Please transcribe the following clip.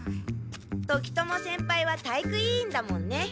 時友先輩は体育委員だもんね。